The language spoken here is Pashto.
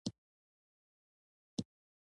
هغوی د خپل واک دروازه تړلې ساتله.